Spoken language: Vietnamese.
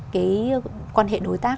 cái quan hệ đối tác